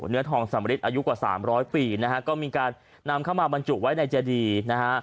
เนื้อทองสำริดอายุกว่าสามร้อยปีนะฮะก็มีการนำเข้ามาบรรจุไว้ในเจดีนะฮะ